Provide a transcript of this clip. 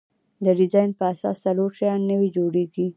د ډیزاین په اساس څلور شیان نوي جوړیږي.